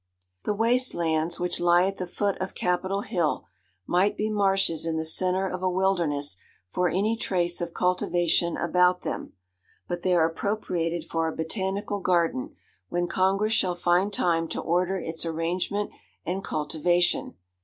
The waste lands which lie at the foot of Capitol Hill might be marshes in the centre of a wilderness for any trace of cultivation about them; but they are appropriated for a botanical garden, when Congress shall find time to order its arrangement and cultivation.